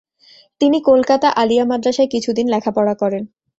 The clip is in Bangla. তিনি কলকাতা আলিয়া মাদ্রাসায় কিছুদিন লেখাপড়া করেন।